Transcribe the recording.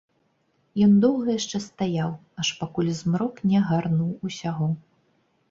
Ён доўга яшчэ стаяў, аж пакуль змрок не агарнуў усяго.